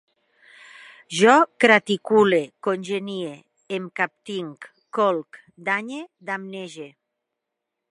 Jo craticule, congenie, em captinc, colc, danye, damnege